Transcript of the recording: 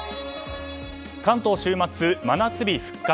関東は週末、真夏日復活。